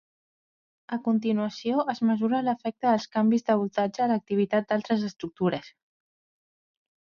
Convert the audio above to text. A continuació, es mesura l'efecte dels canvis de voltatge a l'activitat d'altres estructures.